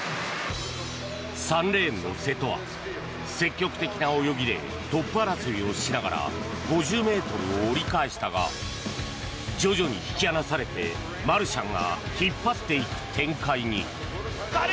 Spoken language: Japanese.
３レーンの瀬戸は積極的な泳ぎでトップ争いをしながら５０ｍを折り返したが徐々に引き離されてマルシャンが引っ張っていく展開に。